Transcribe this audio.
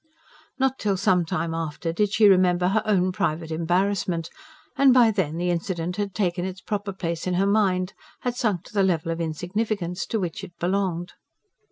Not till some time after did she remember her own private embarrassment. And, by then, the incident had taken its proper place in her mind had sunk to the level of insignificance to which it belonged.